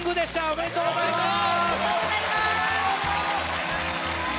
おめでとうございます！